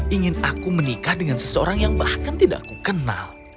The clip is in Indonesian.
ingin aku menikah dengan seseorang yang bahkan tidak aku kenal